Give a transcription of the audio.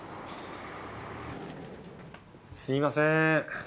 すみません。